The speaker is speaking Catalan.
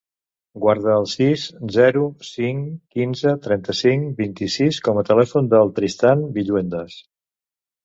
Guarda el sis, zero, cinc, quinze, trenta-cinc, vint-i-sis com a telèfon del Tristan Villuendas.